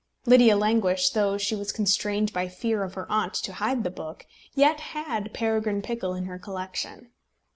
Lydia Languish, though she was constrained by fear of her aunt to hide the book, yet had Peregrine Pickle in her collection.